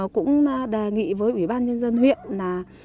cũng đề nghị với ủy ban nhân dân huyện